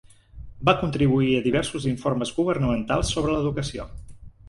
Va contribuir a diversos informes governamentals sobre l'educació.